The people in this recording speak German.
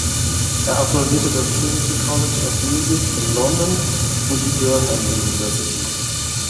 Er absolvierte das Trinity College of Music in London und die Durham University.